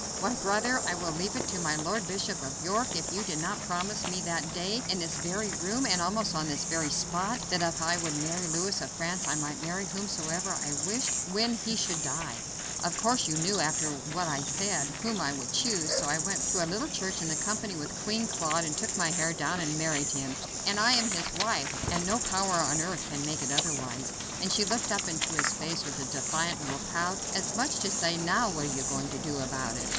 "Why! brother, I will leave it to my Lord Bishop of York if you did not promise me that day, in this very room, and almost on this very spot, that if I would marry Louis of France I might marry whomsoever I wished when he should die. Of course you knew, after what I had said, whom I should choose, so I went to a little church in company with Queen Claude, and took my hair down and married him, and I am his wife, and no power on earth can make it otherwise," and she looked up into his face with a defiant little pout, as much as to say, "Now, what are you going to do about it?"